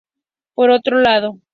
Por otro lado.